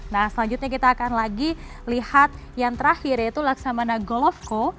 nah selanjutnya kita akan lagi lihat yang terakhir yaitu laksamana golovko